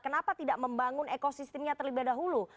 kenapa tidak membangun ekosistemnya terlebih dahulu